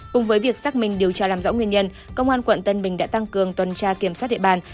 cùng với việc xác minh điều tra làm rõ nguyên nhân công an tp hcm đã tăng cường tuần tra kiểm soát địa bàn